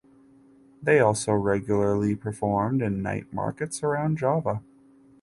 They also regularly performed in night markets around Java.